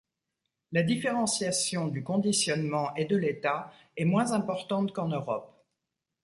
La différenciation du conditionnement et de l'état est moins importante qu'en Europe.